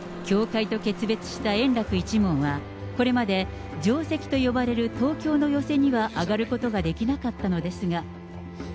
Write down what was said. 協会と決別した円楽一門は、これまで定席と呼ばれる東京の寄席には上がることができなかったのですが。